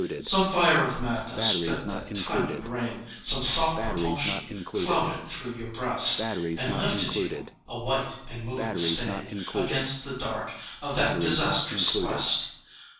Some fire of madness lit that tiny brain, Some soft propulsion clouded through your breast, And lifted you, a white and moving stain Against the dark of that disastrous quest.